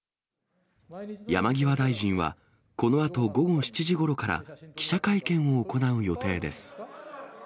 山際大臣は、このあと午後７時ごろから記者会見を行う予定です。